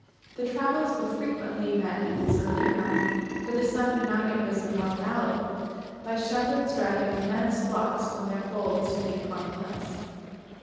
The travellers were frequently met at this early hour, for the sun had not yet risen upon the valley, by shepherds driving immense flocks from their folds to feed upon the hills.